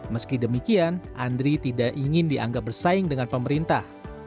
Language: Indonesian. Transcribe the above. meski demikian andri tidak ingin dianggap bersaing dengan pemerintah